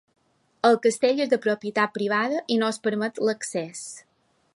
El castell és de propietat privada i no es permet l'accés.